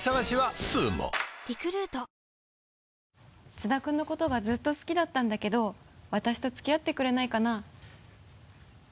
津田君のことがずっと好きだったんだけど私と付き合ってくれないかな？